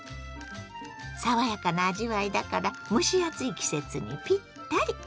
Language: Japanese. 爽やかな味わいだから蒸し暑い季節にピッタリ。